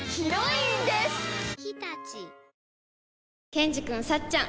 ケンジくんさっちゃん